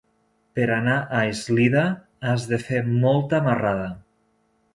Per anar a Eslida has de fer molta marrada.